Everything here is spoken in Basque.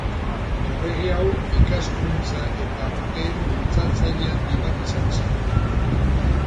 Errege hau, ikaskuntza eta arteen bultzatzaile handi bat izan zen.